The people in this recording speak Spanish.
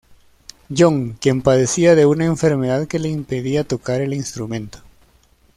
John, quien padecía de una enfermedad que le impedía tocar el instrumento.